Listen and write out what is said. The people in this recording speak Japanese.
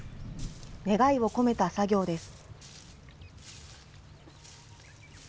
願いを込めた作業です。